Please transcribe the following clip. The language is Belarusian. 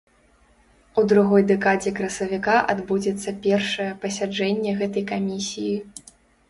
У другой дэкадзе красавіка адбудзецца першае пасяджэнне гэтай камісіі.